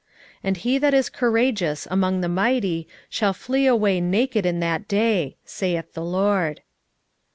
2:16 And he that is courageous among the mighty shall flee away naked in that day, saith the LORD.